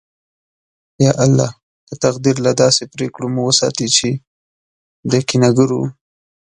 یا الله! د تقدیر له داسې پرېکړو مو وساتې چې د کینه گرو